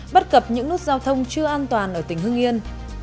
bất cập những nút giao thông chưa an toàn ở tỉnh hưng yên